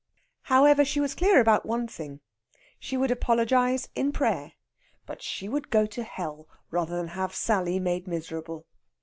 However, she was clear about one thing. She would apologize in prayer; but she would go to hell rather than have Sally made miserable.